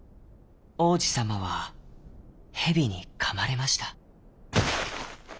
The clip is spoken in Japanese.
王子さまはヘビにかまれました。